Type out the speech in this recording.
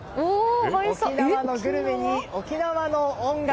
沖縄のグルメに沖縄の音楽。